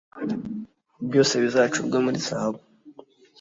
Byose Bizacurwe Muri Zahabu